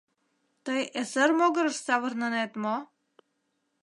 Тый эсер могырыш савырнынет мо?